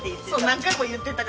何回も言ってたから。